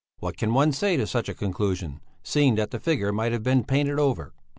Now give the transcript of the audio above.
(What can one say to such a conclusion, seeing that the figure might have been painted over!)